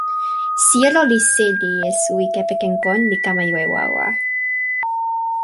sijelo li seli e suwi kepeken kon li kama jo e wawa.